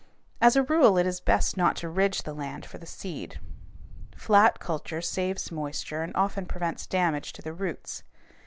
As a rule it is best not to ridge the land for the seed. Flat culture saves moisture and often prevents damage to the roots.